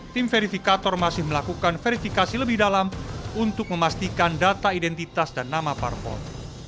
tim verifikator masih melakukan verifikasi lebih dalam untuk memastikan data identitas dan nama parpol